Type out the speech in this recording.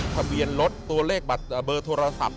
ทะเบียนรถตัวเลขเบอร์โทรศัพท์